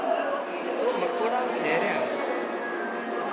تو مڪوڙا نيهريا